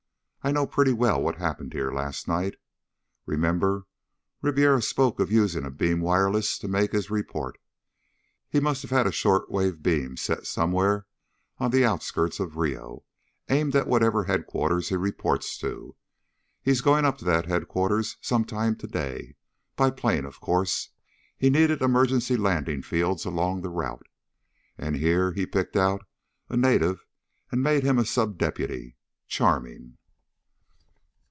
I know pretty well what happened here last night. Remember, Ribiera spoke of using a beam wireless to make his report. He must have had a short wave beam set somewhere on the outskirts of Rio, aimed at whatever headquarters he reports to. He's going up to that headquarters some time to day, by plane, of course. He needed emergency landing fields along the route, and here he picked out a native and made him a sub deputy. Charming...."